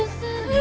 え